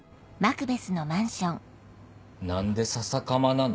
何で笹かまなの？